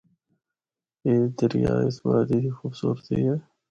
اے دریا اس وادی دی خوبصورتی اے۔